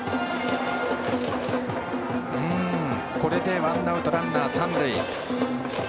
これでワンアウトランナー、三塁。